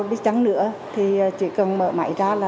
biết chắn nữa thì chỉ cần mở máy ra